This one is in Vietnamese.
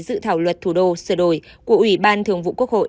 dự thảo luật thủ đô sửa đổi của ủy ban thường vụ quốc hội